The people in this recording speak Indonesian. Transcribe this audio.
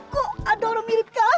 kok ada orang mirip kamu